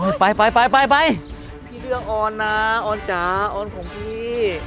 นี่อย่ามาด่าลูกฉันน่ะลูกฉันเป็นกลุ่มของพี่